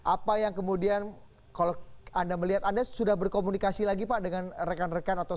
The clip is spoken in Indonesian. apa yang kemudian kalau anda melihat anda sudah berkomunikasi lagi pak dengan rekan rekan atau